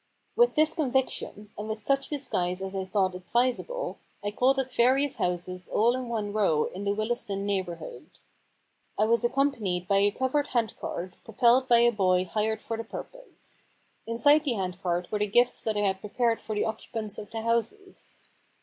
* With this conviction, and with such dis guise as I thought advisable, I called at various 1^9 The Problem Club houses all in one row in the Willesden neigh bourhood. I was accompanied by a covered handcart, propelled by a boy hired for the purpose. Inside the handcart were the gifts that I had prepared for the occupants of the houses.